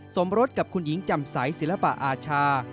สมรสกับคุณหญิงจำใสศิลปะอาชา